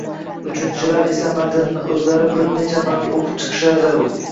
uchinchilar esa matnni o‘zlari bir necha marta o‘qib chiqishlari zarur.